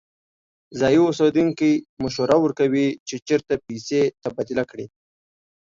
ځایی اوسیدونکی مشوره ورکوي چې چیرته پیسې تبادله کړي.